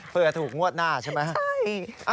เพื่อถูกงวดหน้าใช่ไหม